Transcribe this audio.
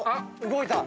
動いた」